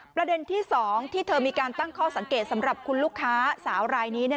ประเด็นที่๒ที่เธอมีการตั้งข้อสังเกตสำหรับคุณลูกค้าสาวรายนี้